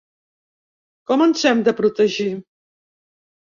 Com ens hem de protegir?